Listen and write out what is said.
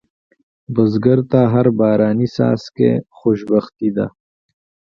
بزګر ته هر باراني څاڅکی خوشبختي ده